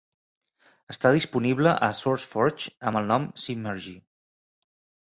Està disponible a SourceForge amb el nom de "Simergy".